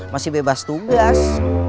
masih bebas tugas